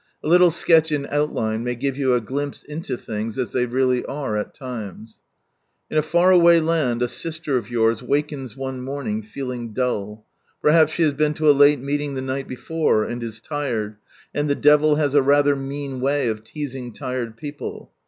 A little sketch in outline may give you a glimpse into things as they really are at times. In a far away land a sister of yours wakens one morning feeling dull. Perhaps she has been to a late meeting the night before, and is tired, and the devil has a rather mean way of leasing tired people.